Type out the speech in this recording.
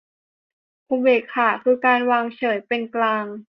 อุเบกขาคือการวางเฉยเป็นกลาง